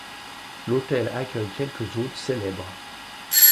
L'hôtel accueille quelques hôtes célèbres.